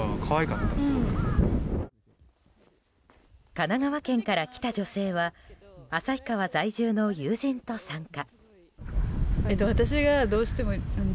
神奈川県から来た女性は旭川在住の友人と参加。